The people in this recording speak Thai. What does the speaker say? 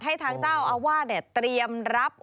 ให้ทางเจ้าอาวาสเตรียมรับ